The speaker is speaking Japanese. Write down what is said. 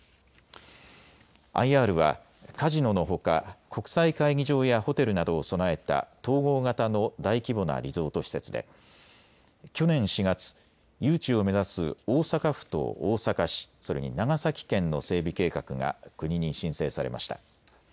ＩＲはカジノのほか国際会議場やホテルなどを備えた統合型の大規模なリゾート施設で去年４月、誘致を目指す大阪府と大阪市、それに長崎県の整備計画が国に申請されました。